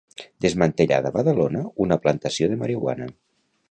Desmantellada a Badalona una plantació de marihuana.